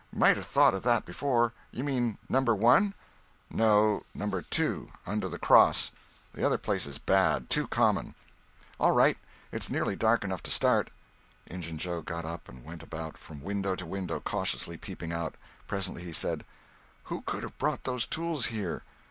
Might have thought of that before. You mean Number One?" "No—Number Two—under the cross. The other place is bad—too common." "All right. It's nearly dark enough to start." Injun Joe got up and went about from window to window cautiously peeping out. Presently he said: "Who could have brought those tools here?